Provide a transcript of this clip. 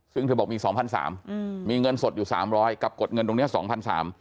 ซึ่งเธอบอกมีสองพันสามอืมมีเงินสดอยู่สามร้อยกับกดเงินตรงเนี้ยสองพันสาม